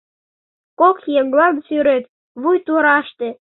Кок еҥлан сӱрет — вуй тураште